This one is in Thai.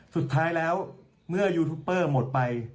สุดท้ายแล้วเมื่อยูทูปเปอร์หมดไป